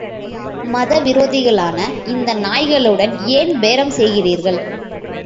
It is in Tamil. மதவிரோதிகளான இந்த நாய்களுடன் ஏன் பேரம் செய்கிறீர்கள்!